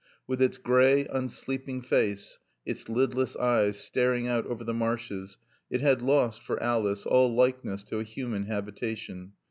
With its gray, unsleeping face, its lidless eyes, staring out over the marshes, it had lost (for Alice) all likeness to a human habitation.